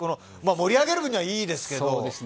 盛り上げる分にはいいですけど。